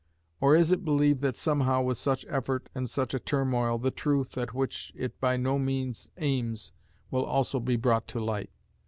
Or is it believed that somehow, with such effort and such a turmoil, the truth, at which it by no means aims, will also be brought to light?